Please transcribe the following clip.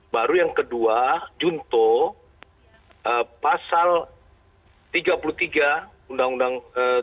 baru yang kedua junto pasal tiga puluh tiga undang undang